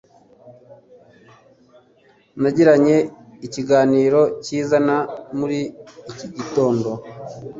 Nagiranye ikiganiro cyiza na muri iki gitondo.